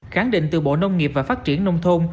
khẳng định từ bộ nông nghiệp và phát triển nông thôn